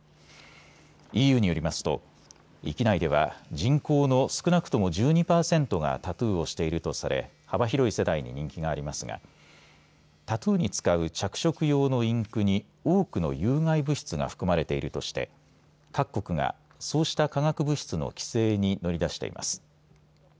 ＥＵによりますと域内では人口の少なくとも１２％がタトゥーをしているとされ幅広い世代に人気がありますがタトゥーに使う着色用のインクに多くの有害物質が含まれているとして各国がそうした化学物質の規制に乗り出しています。